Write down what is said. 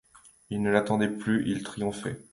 Il ne l’attendait plus, il triomphait.